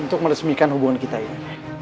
untuk meresmikan hubungan kita ini